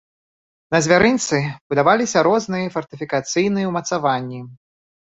На звярынцы будаваліся розныя фартыфікацыйныя ўмацаванні.